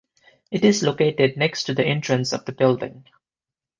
It is located next to the entrance of the building.